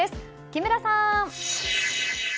木村さん。